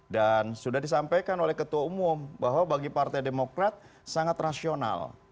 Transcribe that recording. dan sudah disampaikan oleh ketua umum bahwa bagi partai demokrat sangat rasional